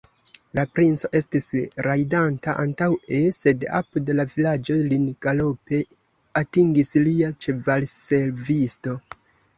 La princo estis rajdanta antaŭe, sed apud la vilaĝo lin galope atingis lia ĉevalservisto.